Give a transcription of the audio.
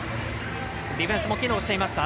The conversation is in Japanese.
ディフェンスも機能していますか。